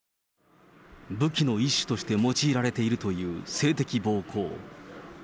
武器の一種として用いられているという性的暴行。